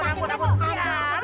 eh di bangkit nih